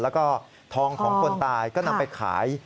แล้วก็ทองของคนตายก็นำไปขาย